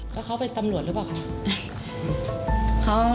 แล้วเขาเป็นตำรวจหรือเปล่าคะ